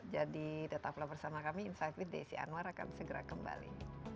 jadi tetaplah bersama kami insight with desy anwar akan segera kembali